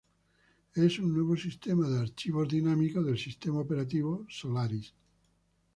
Es un nuevo sistema de archivos dinámico del sistema operativo Solaris.